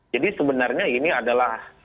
jadi sebenarnya ini adalah